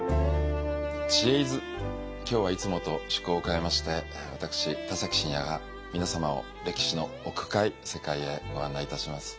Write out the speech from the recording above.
今日はいつもと趣向を変えまして私田崎真也が皆様を歴史の奥深い世界へご案内いたします。